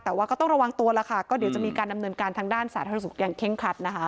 แต่ก็ต้องระวังตัวล่ะค่ะเดี๋ยวจะมีการดำเนินการทางด้านสารสาธารณสุขอย่างเค้งขัด